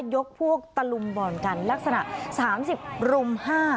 ยกพวกตะลุมบ่อนกันลักษณะ๓๐รุม๕